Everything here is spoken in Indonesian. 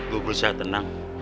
gue bersih tenang